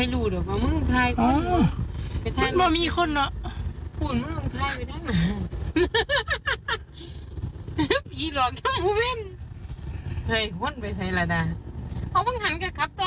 ลุ้มหลิ้นเหล้ามาเหล่ะล่ะ